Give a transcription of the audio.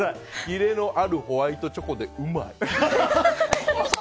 キレのあるホワイトチョコでうまい。